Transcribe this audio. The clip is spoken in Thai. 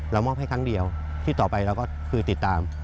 มอบให้ครั้งเดียวที่ต่อไปเราก็คือติดตาม